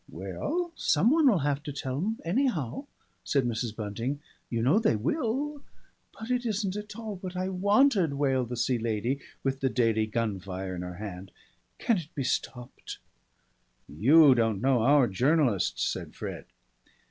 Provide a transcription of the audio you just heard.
"Well, some one'll have to tell 'em anyhow," said Mrs. Bunting. "You know, they will " "But it isn't at all what I wanted," wailed the Sea Lady, with the Daily Gunfire in her hand. "Can't it be stopped?" "You don't know our journalists," said Fred.